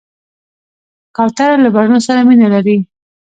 کوتره له بڼو سره مینه لري.